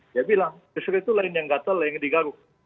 dia bilang yusril itu lain yang gatel lain yang digaruk